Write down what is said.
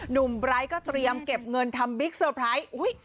ไบร์ทก็เตรียมเก็บเงินทำบิ๊กเซอร์ไพรส์